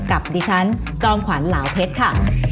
กับดิฉันจอมขวัญเหลาเพชรค่ะ